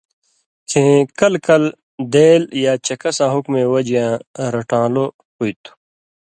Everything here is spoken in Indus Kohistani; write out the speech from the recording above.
کھیں کلہۡ کلہۡ ”دېل یا چکساں حُکُمَیں وجیاں رٹان٘لو ہُوئ تُھو۔